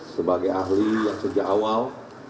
sebagai ahli yang sejak awal